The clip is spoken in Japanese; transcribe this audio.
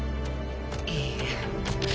いいえ。